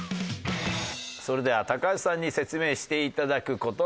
それでは高橋さんに説明して頂く言葉